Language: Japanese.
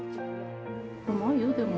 うまいよ、でも。